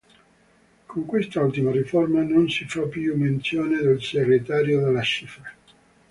Con quest'ultima riforma, non si fa più menzione del segretario della cifra.